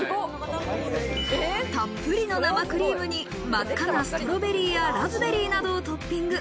たっぷりの生クリームに真っ赤なストロベリーやラズベリーなどをトッピング。